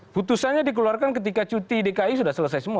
putusannya dikeluarkan ketika cuti dki sudah selesai semua